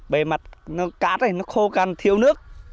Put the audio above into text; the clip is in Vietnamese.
bề mặt nó cát nó khô cằn thiếu nước